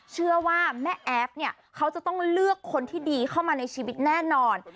เชื่อว่าแม่แอฟเนี่ยเขาจะต้องเลือกคนที่ดีเข้ามาในชีวิตแน่นอน